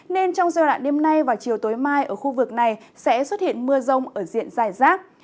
nên trong giai đoạn đêm nay và chiều tối mai ở khu vực này sẽ xuất hiện mưa rông ở diện dài rác